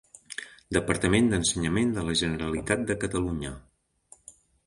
Departament d'Ensenyament de la Generalitat de Catalunya.